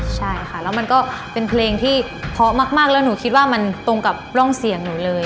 ใช่ค่ะแล้วมันก็เป็นเพลงที่เพราะมากแล้วหนูคิดว่ามันตรงกับร่องเสียงหนูเลย